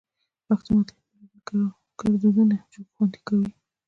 پښتو متلونه بېلابېل ګړدودونه خوندي کوي